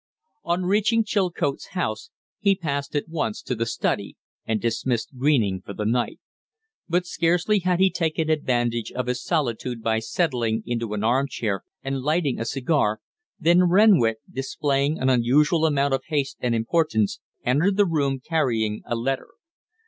On reaching Chilcote's house he passed at once to the study and dismissed Greening for the night. But scarcely had he taken advantage of his solitude by settling into an arm chair and lighting a cigar, than Renwick, displaying an unusual amount of haste and importance, entered the room carrying a letter.